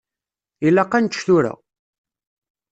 Ilaq ad nečč tura.